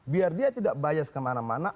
biar dia tidak bias kemana mana